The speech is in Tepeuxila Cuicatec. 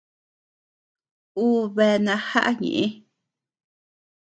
Ú bea najaʼa ñeʼë.